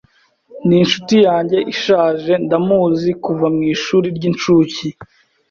Ni inshuti yanjye ishaje. Ndamuzi kuva mu ishuri ry'incuke.